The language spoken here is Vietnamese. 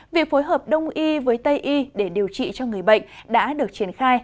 việc phối hợp đông y với tây y để điều trị cho người bệnh đã được triển khai